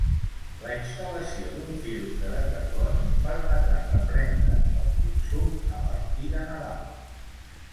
La instal·lació d'un filtre de carboni permetrà reprendre el consum a partir de Nadal.